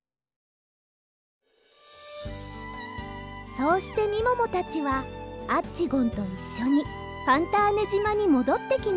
そうしてみももたちはアッチゴンといっしょにファンターネじまにもどってきました。